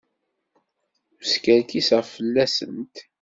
Ur skerkiseɣ fell-asent.